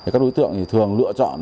các đối tượng thường lựa chọn